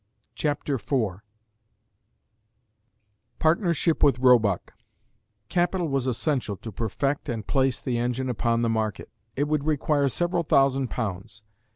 CHAPTER IV PARTNERSHIP WITH ROEBUCK Capital was essential to perfect and place the engine upon the market; it would require several thousand pounds.